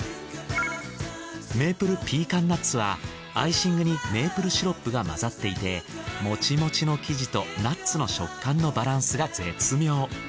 メープルピーカンナッツはアイシングにメープルシロップが混ざっていてもちもちの生地とナッツの食感のバランスが絶妙。